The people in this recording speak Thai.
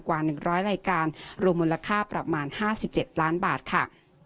กว่า๑๐๐รายการรวมมูลค่าประมาณ๕๗ล้านบาทค่ะ